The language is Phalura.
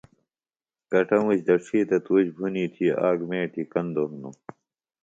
کٹموش دڇھی تہ تُوش بُھنی تھی آک مِیٹیۡ کندوۡ ہنوۡ